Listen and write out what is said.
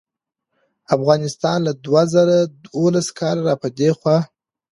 افغانستان له دوه زره دولسم کال راپه دې خوا